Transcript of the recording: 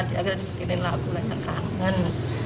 dia akan dibukinin lagu layang kangen